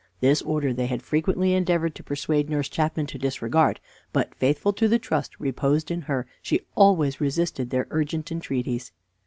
This order they had frequently endeavored to persuade Nurse Chapman to disregard, but, faithful to the trust reposed in her, she always resisted their urgent entreaties.